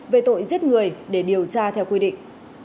về tội giết người để điều tra theo quy định